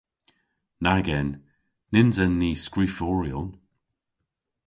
Nag en! Nyns en ni skriforyon.